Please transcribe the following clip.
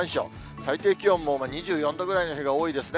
最低気温も２４度ぐらいの日が多いですね。